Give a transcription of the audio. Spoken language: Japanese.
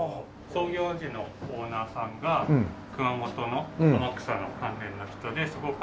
創業時のオーナーさんが熊本の天草の関連の人でそこから。